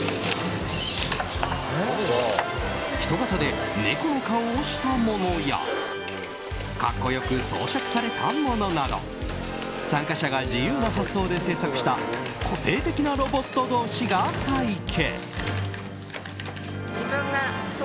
人型で猫の顔をしたものや格好良く装飾されたものなど参加者が自由な発想で制作した個性的なロボット同士が対決。